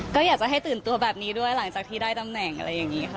ก็อยากจะให้ตื่นตัวแบบนี้ด้วยหลังจากที่ได้ตำแหน่งอะไรอย่างนี้ค่ะ